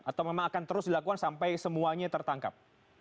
atau memang akan terus dilakukan sampai semuanya tertangkap